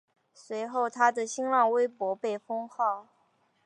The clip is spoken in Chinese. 随后他的新浪微博被封号。